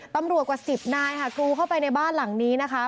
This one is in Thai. ตำรวจกว่า๑๐นายกลูเข้าไปในบ้านหลังนี้นะคะ